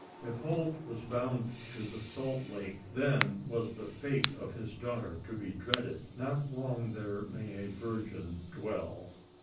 If Holt was bound to the Salt Lake, then was the fate of his daughter to be dreaded. Not long there may a virgin dwell.